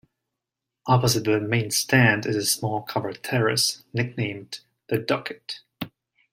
Opposite the Main Stand is a small covered terrace, nicknamed the "Ducket".